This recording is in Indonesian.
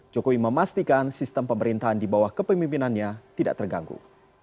jokowi memastikan sistem pemerintahan di bawah kepemimpinannya tidak terganggu